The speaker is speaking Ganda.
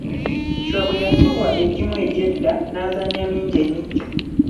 Chwa bwe yasubwa egimu egy'edda, n'azannya mingi emiggya.